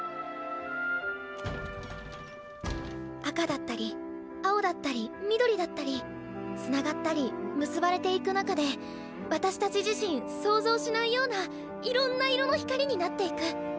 赤だったり青だったり緑だったり繋がったり結ばれていく中で私たち自身想像しないようないろんな色の光になっていく。